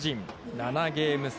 ７ゲーム差。